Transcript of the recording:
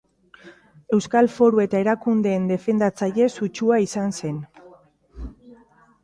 Euskal Foru eta Erakundeen defendatzaile sutsua izan zen.